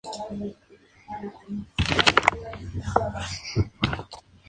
Se encuentra en la Plaza de Mayo, en la ciudad de Buenos Aires.